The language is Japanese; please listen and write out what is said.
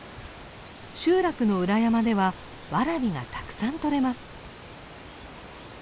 集落の裏山ではワラビがたくさん採れます。